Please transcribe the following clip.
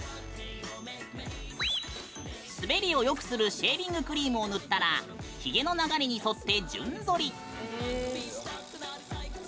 滑りをよくするシェービングクリームを塗ったらひげの流れに沿って順剃り。